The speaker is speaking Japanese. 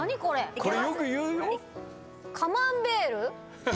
これよく言うよ。